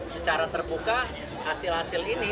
secara terbuka hasil hasil ini